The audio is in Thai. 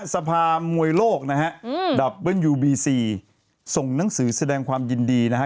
สภามวยโลกนะฮะดับเบิ้ลยูบีซีส่งหนังสือแสดงความยินดีนะฮะ